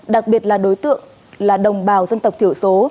đặc biệt là đối tượng là đồng bào dân tộc thiểu số